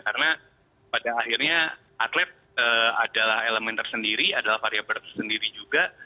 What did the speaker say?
karena pada akhirnya atlet adalah elemen tersendiri adalah variabel tersendiri juga